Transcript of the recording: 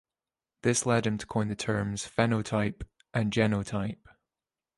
This led him to coin the terms "phenotype" and "genotype".